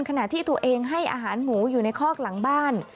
ขณะที่ตัวเองให้อาหารหมูอยู่ในคอกหลังบ้าน